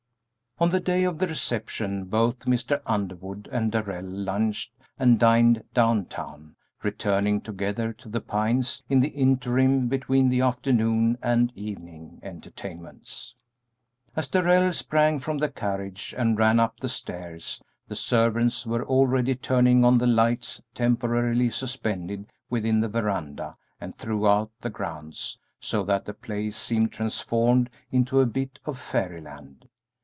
On the day of the reception both Mr. Underwood and Darrell lunched and dined down town, returning together to The Pines in the interim between the afternoon and evening entertainments. As Darrell sprang from the carriage and ran up the stairs the servants were already turning on the lights temporarily suspended within the veranda and throughout the grounds, so that the place seemed transformed into a bit of fairyland.